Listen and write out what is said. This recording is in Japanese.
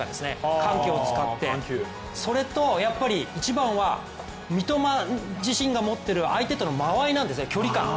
緩急を使って、それと一番は三笘自身が持っている相手との間合い、距離感。